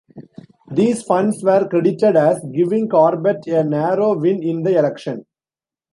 These funds were credited as giving Corbett a narrow win in the election.